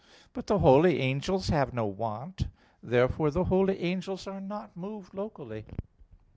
But the holy angels have no want. Therefore the holy angels are not moved locally.